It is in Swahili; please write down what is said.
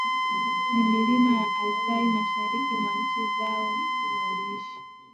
ni Milima ya Altai Mashariki mwa nchi zao waliishi